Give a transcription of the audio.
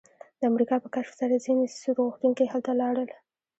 د امریکا په کشف سره ځینې سود غوښتونکي هلته لاړل